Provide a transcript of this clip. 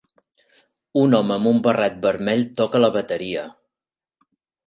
Un home amb un barret vermell toca la bateria.